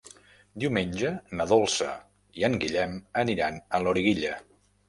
Diumenge na Dolça i en Guillem aniran a Loriguilla.